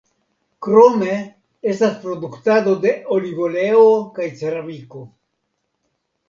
Krome estas produktado de olivoleo kaj ceramiko.